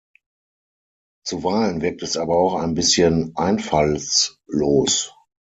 Zuweilen wirkt es aber auch ein bisschen einfallslos.